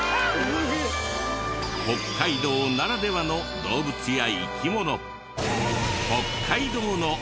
北海道ならではの動物や生き物。